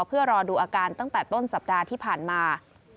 เพื่อรอดูอาการตั้งแต่ต้นสัปดาห์ที่ผ่านมา